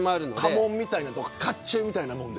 家紋みたいなとか甲冑みたいなもんで。